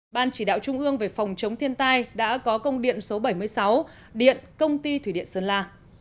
ban chỉ đạo trung ương về phòng chống thiên tai đã có công điện số bảy mươi sáu điện công ty thủy điện sơn la